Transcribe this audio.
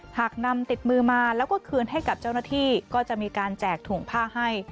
หากนำติดมือมาแล้วก็คืนให้กับเจ้าหน้าที่ก็จะมีการแจกถุงผ้าให้